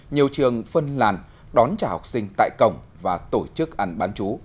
nhiều trường phân làn đón trả học sinh tại cổng và tổ chức ăn bán chú